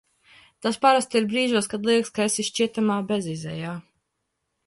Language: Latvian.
Tas parasti ir brīžos, kad liekas, ka esi šķietamā bezizejā.